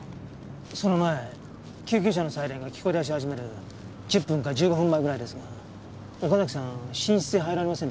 その前救急車のサイレンが聞こえ出し始める１０分か１５分前ぐらいですが岡崎さん寝室へ入られませんでした？